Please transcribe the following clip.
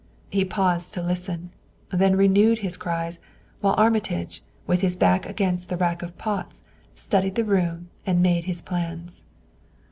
He paused to listen, then renewed his cries, while Armitage, with his back against the rack of pots, studied the room and made his plans.